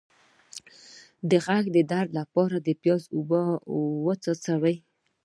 د غوږ درد لپاره د پیاز اوبه وڅڅوئ